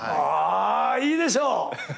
あいいでしょ？